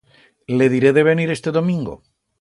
Le diré de venir este domingo.